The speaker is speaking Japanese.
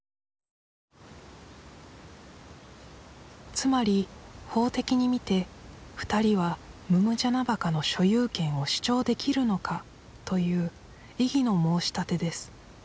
つまり法的に見て２人は百按司墓の所有権を主張できるのかという異議の申し立てです